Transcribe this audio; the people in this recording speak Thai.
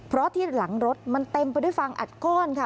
เพราะที่หลังรถมันเต็มไปด้วยฟางอัดก้อนค่ะ